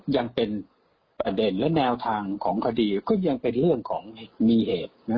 ยังเป็นประเด็นและแนวทางของคดีก็ยังเป็นเรื่องของมีเหตุ